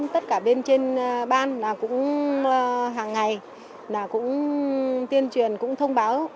tất cả bên trên ban cũng hàng ngày tuyên truyền cũng thông báo